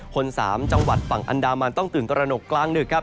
คนสามจังหวัดปังอันดามันต้องตื่นตรนกกลางหนึ่งครับ